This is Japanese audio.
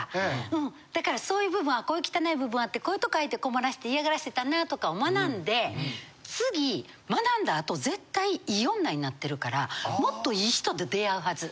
うんだからそういう部分はこういう汚い部分あってこういうとこ相手困らして嫌がらせたなとかを学んで次学んだあと絶対いい女になってるからもっといい人と出会うはず。